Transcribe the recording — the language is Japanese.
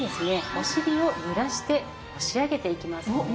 お尻をゆらして押し上げていきますね。